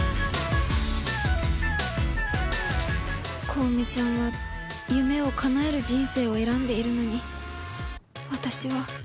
小梅ちゃんは夢を叶える人生を選んでいるのに私は